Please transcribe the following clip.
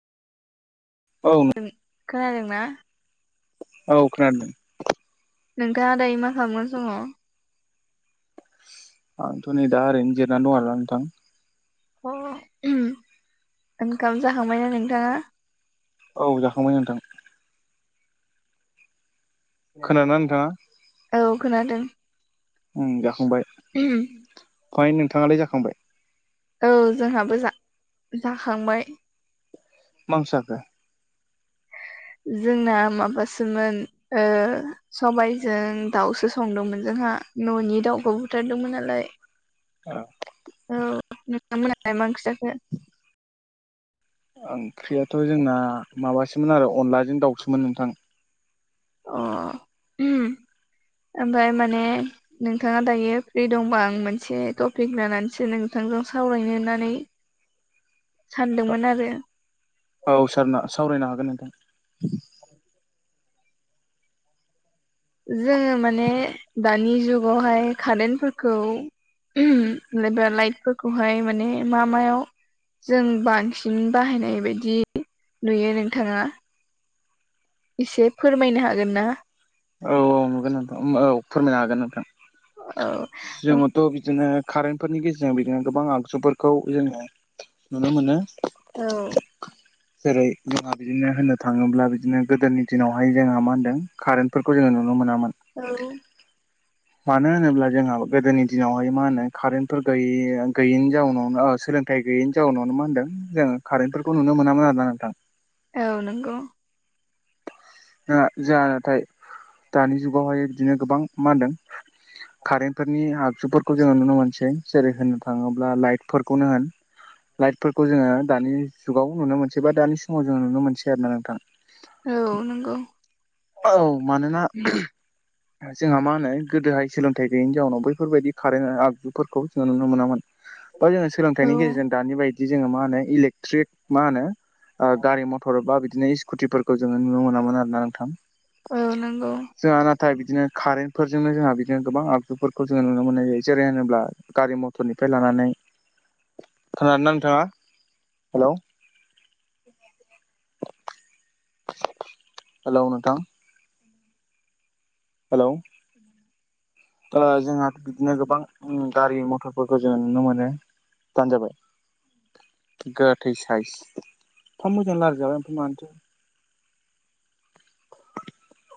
औ खोनादोंना? औ खोनादों। नोंथाङा दायो मा खालामगासिनो दङ। आंथ नै दा ओरैनो जिरनानै दं आरो ना नोंथां। ओंखाम जाखांबायना नोंथाङा। औ जाखांबाय नोंथां। खोनादोंना नोंथाङा औ खोनादों। उम जाखांबाय ओमफ्राय नोंथाङा लाय जाखांबाय। औ जोंहाबो जा जाखांबाय। मा ओंख्रि जाखो? जोंना माबासोमोन ओ सबायाइजों दाउसो संदोंमोन जोंहा न नि दाउखौ बुथारदोंमोन नालाय। [inaudible] औ। औ नोंथांमोनालाय मा ओंख्रि जाखो? ओंख्रियाथ जोंना माबासोमोन आरो अनलाजों दाउसोमोन नोंथां। अ ओमफ्राय माने नोंथाङा दायो फ्रि दंबा आं मोनसे टपिक लानानैसो नोंथांजों सावरायनो होननानै सानदोंमोन आरो। औ सार ना सावरायनो हागोन नोंथां। जोङो माने दानि जुगावहाय कारेनफोरखौ बा लाइटफोरखौहाय माने मा मायाव जों बांसिन बाहायनाय बायदि नुयो नोंथाङा एसे फोरमायनो हागोन ना? औ औ नुगोन नोंथां औ फोरमायनो हागोन नोंथां औ जोङोथ' बिदिनो कारेन्टफोरनि गेजेरजों बिदिनो गोबां आगजुफोरखौ जोङो नुनो मोनो। औ जेरै जोंहा बिदिनो होननो थाङोब्ला बिदिनो गोदोनि दिनावहाय जोंहा मा होनदों कारेन्ट फोरखौ जोङो नुनो मोनामोन। औ। मानो होनोब्ला जोंहा गोदोनि दिनावहाय मा होनो कारेेनटफोर गै गैयैनि जाउनावनो सोलों फिथाय गैयि नि जाउनावनो मा होनदों जों कारेन्टफोरखौ नुनो मोनामोन आरोना नोंथां। औ नंगौ। जाया नाथाय दानि जुगावहाय बिदिनो गोबां मा होनदों- कारेन्ट फोरनि आगजुफोरखौ जोङो नुनो मोनसै जेरै होननो थाङोब्ला लाइट फोरफोरखौनो होन लाइटफोरखौ जोङो दानि जुगाव नुनो मोनसै बा दानि समाव जोङो नुनो मोनसै आरो ना नोंथां। औ नंगौ। औ मानोना जोंहा मा होनो गोदोहाय सोलोंथाइ गैयिनि जाउनाव बैफोरबायाददि कारेन्ट आगजुफोरखौ जोङो नुनो मोनामोन बा जोङो औ सोलोंथाइनि गेजेरजों दानि बायदि जोङो मा होनो इलेकट्रिक मा होनो ओ-गारि मथर बा बिदिनो स्कुटिफोरखौ जोङो नुनो मोनामोन आर ना नोंथां। औ नंगौ जोंहा नाथाय बिदिनो कारेन्टफोरजोंनो जोंहा बिदिनो गोबां आगजुफोरखौ जोङो नुनो मोननाय जायो जेरै होनोब्ला गारि मथरनिफ्राय लानानै खोनादोंना नोंथाङा हेलौ हेल' नोंथां हेलौ जोंहा बिदिनो गोबां गारि मथरफोरखौ जोङो नुनो मोनो दानजाबाय गोथै साइस एफ्फा मोजां लारायजाबाय ओमफाय मानोथो